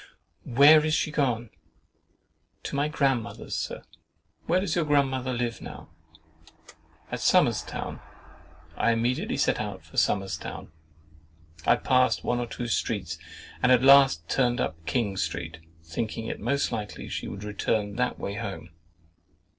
"Where is she gone?"—"To my grandmother's, Sir." "Where does your grandmother live now?"—"At Somers' Town." I immediately set out to Somers' Town. I passed one or two streets, and at last turned up King Street, thinking it most likely she would return that way home.